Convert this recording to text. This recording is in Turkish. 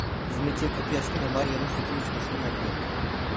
Hizmetçiye kapıyı açtım ve Maria'nın sütünü içmesine yardım ettim.